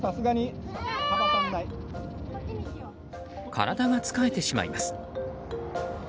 体がつかえてしまいます。